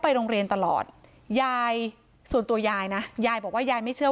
โรงเรียนตลอดยายส่วนตัวยายนะยายบอกว่ายายไม่เชื่อ